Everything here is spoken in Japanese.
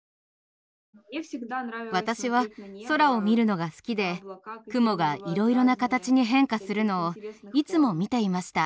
私は空を見るのが好きで雲がいろいろな形に変化するのをいつも見ていました。